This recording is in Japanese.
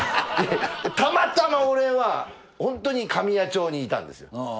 たまたま俺はホントに神谷町にいたんですよ。